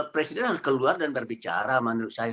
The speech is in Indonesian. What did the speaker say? presiden harus keluar dan berbicara menurut saya